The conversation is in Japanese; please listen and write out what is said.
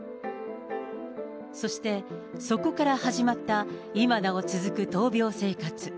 そしてそこから始まった今なお続く闘病生活。